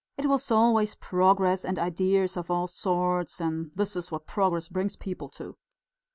It was always 'progress' and ideas of all sorts, and this is what progress brings people to!"